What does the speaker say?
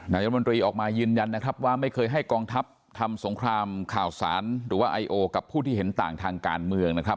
นายมนตรีออกมายืนยันนะครับว่าไม่เคยให้กองทัพทำสงครามข่าวสารหรือว่าไอโอกับผู้ที่เห็นต่างทางการเมืองนะครับ